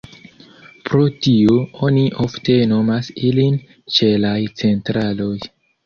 Pro tio, oni ofte nomas ilin ĉelaj "centraloj".